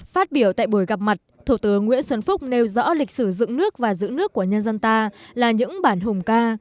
phát biểu tại buổi gặp mặt thủ tướng nguyễn xuân phúc nêu rõ lịch sử dựng nước và giữ nước của nhân dân ta là những bản hùng ca